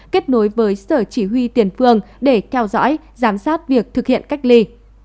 kết nối với sở chỉ huy tiền phương để theo dõi giám sát việc thực hiện cách ly